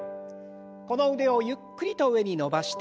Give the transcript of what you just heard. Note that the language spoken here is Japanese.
この腕をゆっくりと上に伸ばして。